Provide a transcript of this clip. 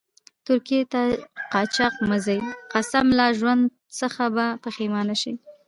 ترکيې ته قاچاق مه ځئ، قسم لا ژوند څخه به پیښمانه شئ.